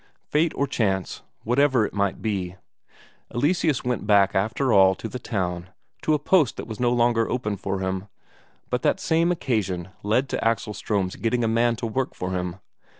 Fate or chance whatever it might be. Eleseus went back, after all, to the town, to a post that was no longer open for him, but that same occasion led to Axel Ström's getting a man to work for him.